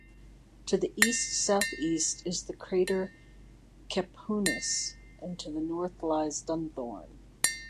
To the east-southeast is the crater Capuanus, and to the north lies Dunthorne.